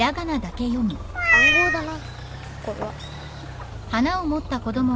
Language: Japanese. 暗号だなこれは。